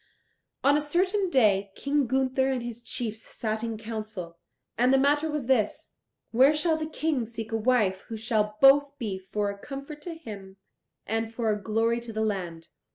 On a certain day King Gunther and his chiefs sat in council, and the matter was this where shall the King seek a wife who shall both be for a comfort to him and for a glory to the land?